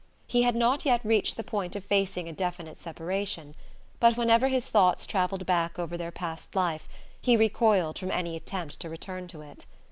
He had not yet reached the point of facing a definite separation; but whenever his thoughts travelled back over their past life he recoiled from any attempt to return to it.